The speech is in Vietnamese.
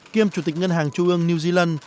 kiêm chủ tịch ngân hàng trung ương new zealand